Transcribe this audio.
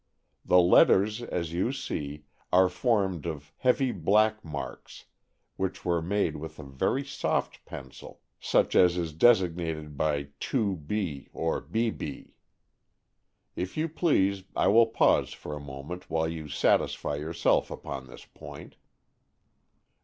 The letters, as you see, are formed of heavy black marks which were made with a very soft pencil, such as is designated by 2 B or BB. If you please, I will pause for a moment while you satisfy yourself upon this point."